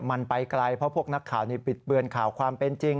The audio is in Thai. มันไปไกลเพราะพวกนักข่าวนี้ปิดเบือนข่าวความเป็นจริง